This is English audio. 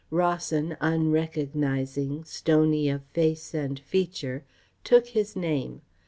Rawson, unrecognising, stony of face and feature, took his name.